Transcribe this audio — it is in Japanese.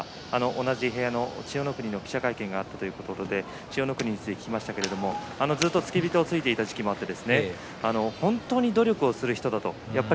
同じ部屋の千代の国の記者会見があったということで千代の国について聞きましたがずっと付け人をしていた時もあって本当に努力をする人だった。